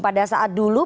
pada saat dulu